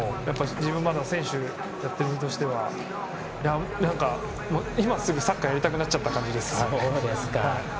自分はまだ選手をやっている身としては今すぐサッカーやりたくなっちゃった感じです。